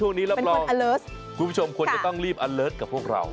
รับรองคุณผู้ชมควรจะต้องรีบอเลิศกับพวกเรา